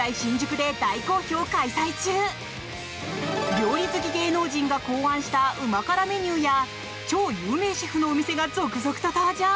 料理好き芸能人が考案した旨辛メニューや超有名シェフのお店が続々と登場。